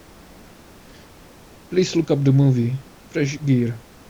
Please look up the movie, Fresh Gear.